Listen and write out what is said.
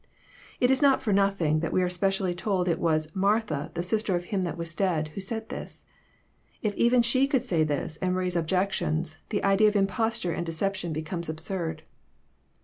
It is not for nothing that we are specially told it was " Mar tha, the sister of him that was dead," who said this. If even she could say this, and raise objections, the idea of Imposture and deception becomes absurd.